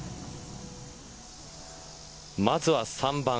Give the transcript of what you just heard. まずは３番。